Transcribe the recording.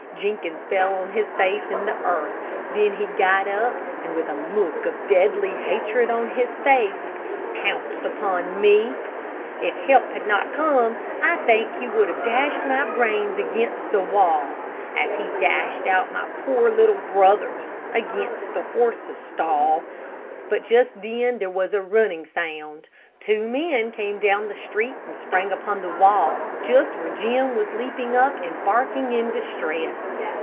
Jenkins fell on his face in the earth. Then he got up, and with a look of deadly hatred on his face, pounced upon me. If help had not come, I think he would have dashed out my brains against the wall, as he dashed out my poor little brothers' against the horse's stall. But just then there was a running sound. Two men came down the street and sprang upon the wall, just where Jim was leaping up and down and barking in distress.